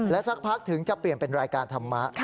สักพักถึงจะเปลี่ยนเป็นรายการธรรมะ